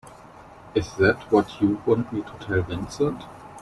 Is that what you want me to tell Vincent?